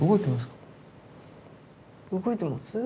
動いてますか？